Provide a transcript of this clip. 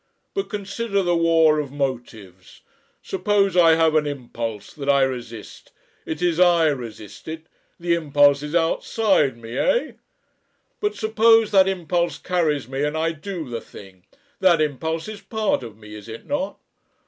But consider the war of motives. Suppose I have an impulse that I resist it is I resist it the impulse is outside me, eh? But suppose that impulse carries me and I do the thing that impulse is part of me, is it not?